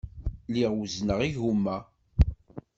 Lliɣ wezzneɣ igumma.